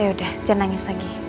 yaudah janangis lagi